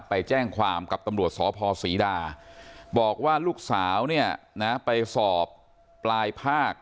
ไปแจ้งความกับตำรวจสพศรีดาบอกว่าลูกสาวเนี่ยนะไปสอบปลายภาค